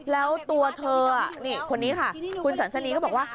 แล้วตัวเธอนี่คนนี้ค่ะคุณสันสนีเขาบอกว่า